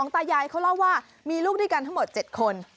ตายายเขาเล่าว่ามีลูกด้วยกันทั้งหมด๗คน